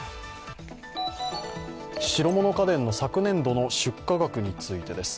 白物家電の昨年度の出荷額についてです。